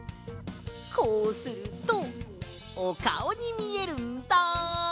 こうするとおかおにみえるんだ！